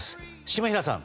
下平さん。